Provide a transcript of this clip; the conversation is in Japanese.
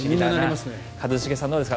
一茂さん、どうですか。